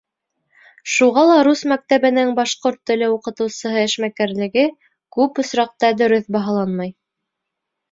Шуға ла рус мәктәбенең башҡорт теле уҡытыусыһы эшмәкәрлеге күп осраҡта дөрөҫ баһаланмай.